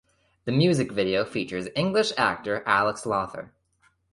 The music video features English actor Alex Lawther.